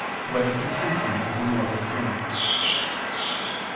1] Whether Contention Is a Mortal Sin?